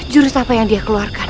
jurus apa yang dia keluarkan